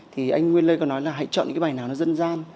thì anh nguyên lê có nói là hãy chọn những cái bài nào nó dân gian